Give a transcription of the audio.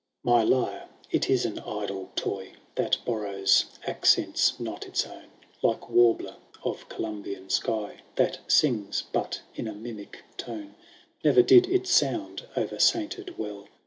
* VII. My lyre — ^it is an idle toy. That borrows accents not its own. Like warbler of Colombian skv. That sings but in a mimic tone.* Ne'er did it sound o'er sainted well.